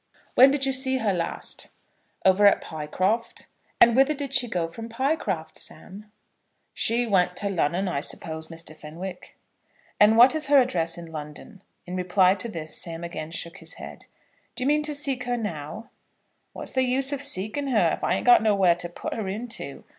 "When did you see her last?" "Over at Pycroft." "And whither did she go from Pycroft, Sam?" "She went to Lon'on, I suppose, Mr. Fenwick." "And what is her address in London?" In reply to this Sam again shook his head. "Do you mean to seek her now?" "What's the use of seeking her if I ain't got nowhere to put her into.